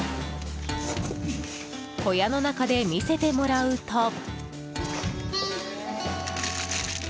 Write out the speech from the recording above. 小屋の中で見せてもらうと。